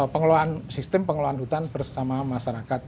pengelolaan sistem pengelolaan hutan bersama masyarakat